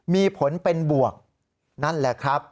มีผลเป็นบวกนั่นแหละครับ